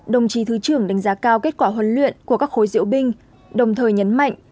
đồng chí thứ trưởng đánh giá cao kết quả huấn luyện của các khối diễu binh đồng thời nhấn mạnh